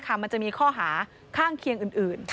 มันจะมีข้อหาข้างเคียงอื่น